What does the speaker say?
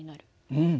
うん。